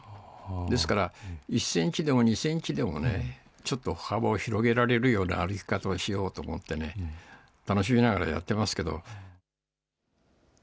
ですから、１センチでも２センチでもね、ちょっと歩幅を広げられるような歩き方をしようと思ってね、楽しみながらやってますけど。